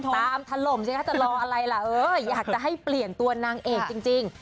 ตามถล่มจริงถ้าจะรออะไรล่ะอยากจะให้เปลี่ยนตัวนางเอกจริง